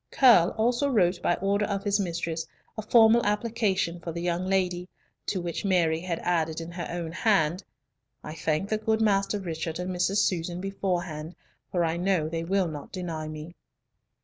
Curll also wrote by order of his mistress a formal application for the young lady, to which Mary had added in her own hand, "I thank the good Master Richard and Mrs. Susan beforehand, for I know they will not deny me."